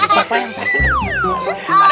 pak d pak d pak d